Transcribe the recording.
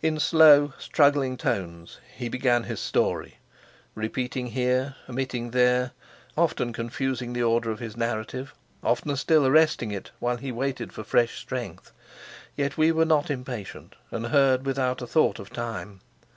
In slow, struggling tones he began his story, repeating here, omitting there, often confusing the order of his narrative, oftener still arresting it while he waited for fresh strength. Yet we were not impatient, but heard without a thought of time.